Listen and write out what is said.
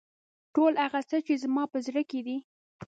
ټول هغه څه چې زما په زړه کې دي.